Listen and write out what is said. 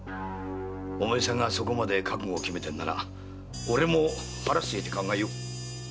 お前さんがそこまで覚悟を決めてるなら俺も腹を据えて考えよう。